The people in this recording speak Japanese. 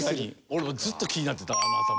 俺もずっと気になってたあの頭。